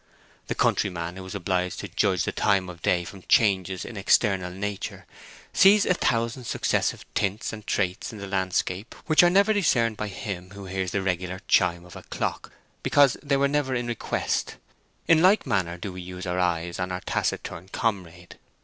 The countryman who is obliged to judge the time of day from changes in external nature sees a thousand successive tints and traits in the landscape which are never discerned by him who hears the regular chime of a clock, because they are never in request. In like manner do we use our eyes on our taciturn comrade.